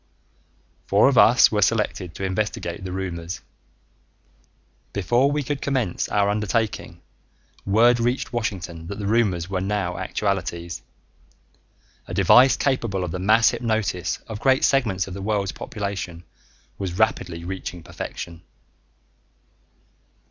Four of us were selected to investigate the rumors. Before we could commence our undertaking, word reached Washington that the rumors were now actualities. A device capable of the mass hypnosis of great segments of the world's population was rapidly reaching perfection.